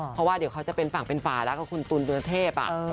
เพราะว่าเดี๋ยวเขาจะเป็นฝั่งเป็นฝาแล้วกับคุณตุลเรือเทพ